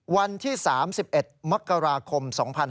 วันที่๓๑มกราคม๒๕๖๒